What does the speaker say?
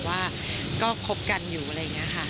ว่าก็คบกันอยู่อะไรอย่างนี้ค่ะ